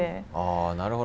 あなるほど。